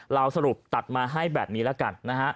เราสรุปตัดมาให้แบบนี้แล้วกันนะฮะ